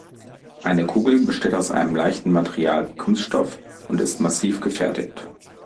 Eine Kugel besteht aus einem leichten Material wie Kunststoff und ist massiv gefertigt.